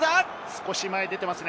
少し前に出ていますね。